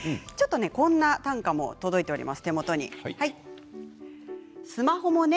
こんな短歌も届いています。